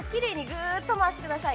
きれいにぐっと回してください。